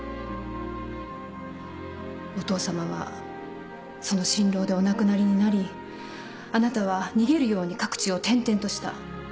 お父さまはその心労でお亡くなりになりあなたは逃げるように各地を転々とした。